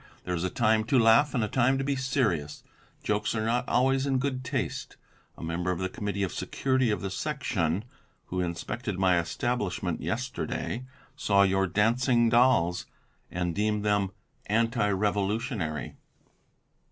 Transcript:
There is a time to laugh, and a time to be serious; jokes are not always in good taste. A member of the Committee of Security of the Section, who inspected my establishment yesterday, saw your dancing dolls and deemed them anti revolutionary."